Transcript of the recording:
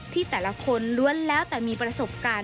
ที่แต่ละคนล้วนแล้วแต่มีประสบการณ์